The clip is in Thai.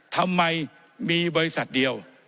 ทำไมมีบริษัทเดียว